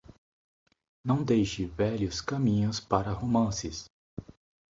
Não deixe velhos caminhos para romances.